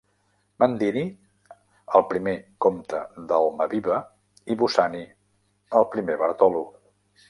Mandini, el primer comte d'Almaviva, i Bussani, el primer Bartolo.